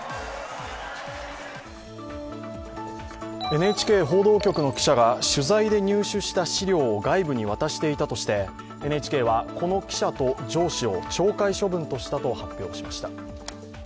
ＮＨＫ報道局の記者が取材で入手した資料を外部に渡していたとして、ＮＨＫはこの記者と上司を懲戒処分したと発表しました。